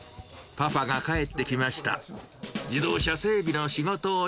パパが帰ってきました。